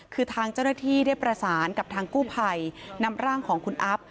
คือทางเจ้าหน้าที่ได้ประสานกับทางกู้ภัยนำร่างของคุณอัพ